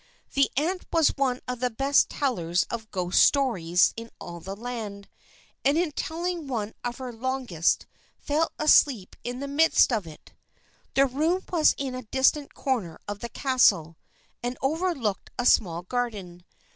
The aunt was one of the best tellers of ghost stories in all the land, and in telling one of her longest, fell asleep in the midst of it. The room was in a distant corner of the castle, and overlooked a small garden.